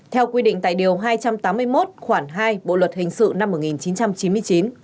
theo quy định tại điều hai trăm tám mươi một khoảng hai bộ luật hình sự năm một nghìn chín trăm chín mươi chín